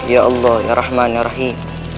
ya allah ya rahman ya rahim